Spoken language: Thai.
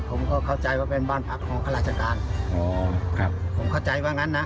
ผมเข้าใจว่าเป็นบ้านผักของราชการ